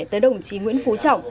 tới đồng chí nguyễn phú trọng